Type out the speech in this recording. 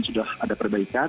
sudah ada perbaikan